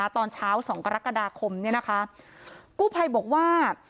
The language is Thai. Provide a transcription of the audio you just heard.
ตอนเช้า๒กรกฎาคมกู้ไพบอกว่า